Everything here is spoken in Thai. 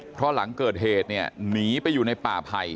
เพราะหลังเกิดเหตุเนี่ยหนีไปอยู่ในป่าไผ่